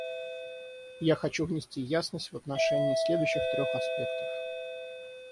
Я хочу внести ясность в отношении следующих трех аспектов.